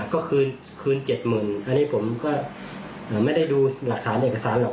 ก็คืน๗๐๐๐อันนี้ผมก็ไม่ได้ดูหลักฐานเอกสารหรอก